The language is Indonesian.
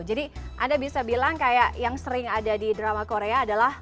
jadi anda bisa bilang kayak yang sering ada di drama korea adalah